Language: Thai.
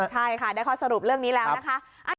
ใช่ค่ะได้ข้อสรุปเรื่องนี้แล้วนะคะ